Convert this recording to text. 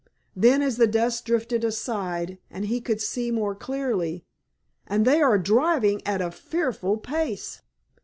Then as the dust drifted aside and he could see more clearly,—"and they are driving at a fearful pace!"